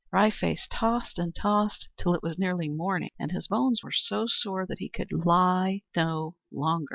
Wry Face tossed and tossed till it was nearly morning; and his bones were so sore that he could lie no longer.